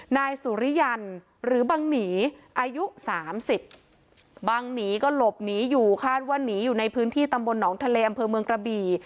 นายสุริยันหรือบังหนีอายุ๓๐บังหนีก็หลบหนีอยู่คาดว่าหนีอยู่ในพื้นที่ตำบลหนองทะเลอำเภอเมืองกระบี่